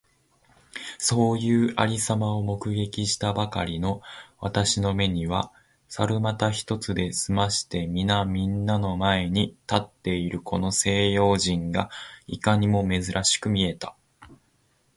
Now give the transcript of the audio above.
そういう有様を目撃したばかりの私の眼めには、猿股一つで済まして皆みんなの前に立っているこの西洋人がいかにも珍しく見えた。